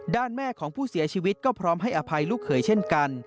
แม่ของผู้เสียชีวิตก็พร้อมให้อภัยลูกเขยเช่นกัน